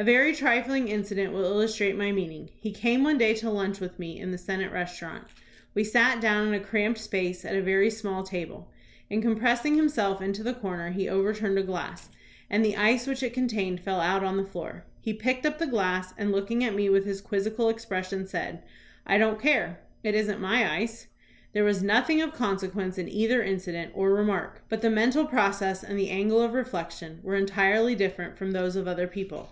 A very trifling incident will illustrate my meaning. He came one day to lunch with me in the Senate restaurant. We sat down in a cramped space at a veiy small table. In compressing himself into the corner, he overturned a glass, and the ice which it contained fell out on the floor. He picked up the glass, and, looking at me with his quizzical expres sion, said: "I don't care. It isn't my ice." There was nothing of consequence in either incident or re mark, but the mental process and the angle of reflec tion were entirely different from those of other people.